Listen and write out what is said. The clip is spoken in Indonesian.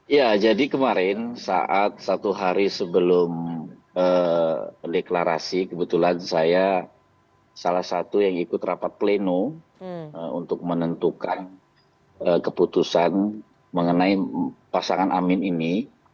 ya jadi kemarin saat satu hari sebelum deklarasi kebetulan saya salah satu yang ikut rapat pleno untuk menentukan keputusan mengenai pasangan amin ini